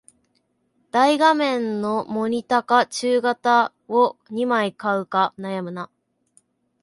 大画面のモニタか中型を二枚買うか悩むな